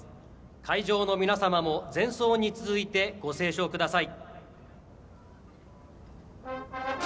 会場の皆様も、前奏に続いてご斉唱ください。